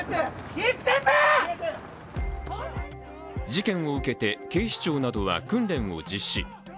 事件を受けて、警視庁などは訓練を実施。